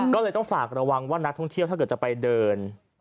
ก็เลยต้องฝากระวังว่านักท่องเที่ยวถ้าเกิดจะไปเดิน